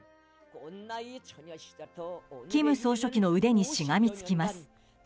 金総書記の腕にしがみつきます。